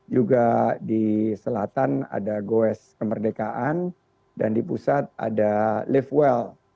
juga di selatan ada goes kemerdekaan dan di pusat ada lift well